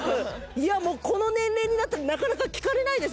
いやこの年齢になったらなかなか聞かれないですよね